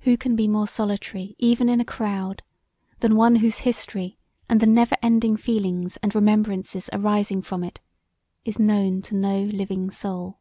Who can be more solitary even in a crowd than one whose history and the never ending feelings and remembrances arising from it is known to no living soul.